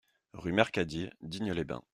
Rue Mercadier, Digne-les-Bains